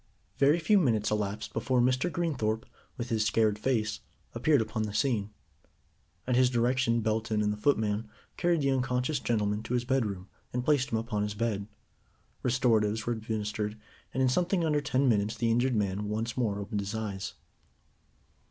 Very few minutes elapsed before Mr. Greenthorpe, with his scared face, appeared upon the scene. At his direction Belton and the footman carried the unconscious gentleman to his bedroom, and placed him upon his bed. Restoratives were administered and in something under ten minutes the injured man once more opened his eyes.